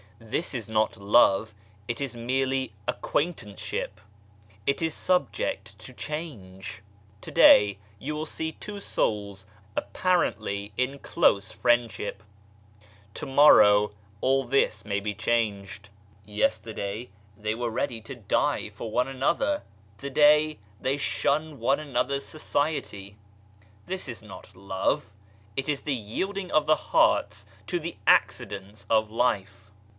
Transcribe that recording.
This is not love, it is merely acquaintanceship ; it is subject to change. To day you will see two souls apparently in close friendship ; to morrow all this may be changed. Yester day they were ready to die for one another, to day they shun one another's society ! This is not love ; it is the yielding of the hearts to the accidents of life.